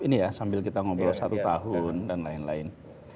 ini ya sambil kita ngobrol satu tahun dan lain lain